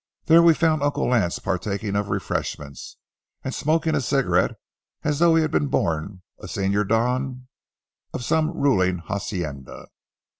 There we found Uncle Lance partaking of refreshment, and smoking a cigarette as though he had been born a Señor Don of some ruling hacienda.